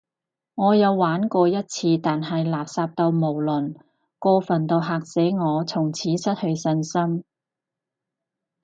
我有玩過一次，但係垃圾到無倫，過份到嚇死我，從此失去信心